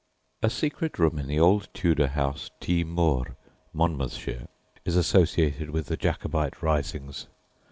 A secret room in the old Tudor house Ty Mawr, Monmouthshire, is associated with the Jacobite risings.